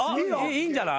いいんじゃない？